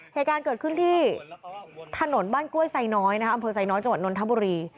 เหตุการณ์เกิดขึ้นที่ถนนบ้านกล้วยไซน้อยนะคะอำเภอไซน้อยจังหวัดนนทบุรี